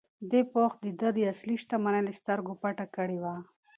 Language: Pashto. دې پوښ د ده اصلي شتمني له سترګو پټه کړې وه.